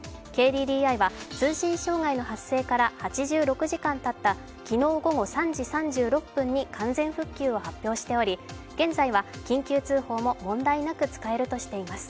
ＫＤＤＩは、通信障害の発生から８６時間たった昨日午後３時３６分に完全復旧を発表しており、現在は緊急通報も問題なく使えるとしています。